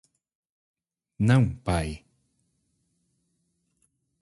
Não, pai!